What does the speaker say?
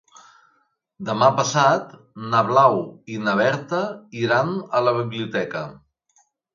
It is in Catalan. Demà passat na Blau i na Berta iran a la biblioteca.